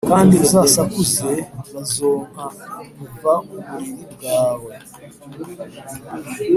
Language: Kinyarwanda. kandi usakuze bazonka! kuva ku buriri bwawe